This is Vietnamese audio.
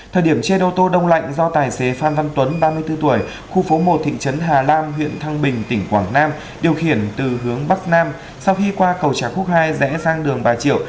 thời điểm trên ô tô đông lạnh do tài xế phan văn tuấn ba mươi bốn tuổi khu phố một thị trấn hà lam huyện thăng bình tỉnh quảng nam điều khiển từ hướng bắc nam sau khi qua cầu trà khúc hai rẽ sang đường bà triệu